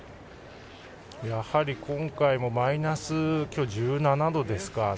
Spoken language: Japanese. やはり、今回も今日はマイナス１７度ですか。